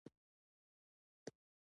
کتاب د تلپاتې پوهې نښه ده.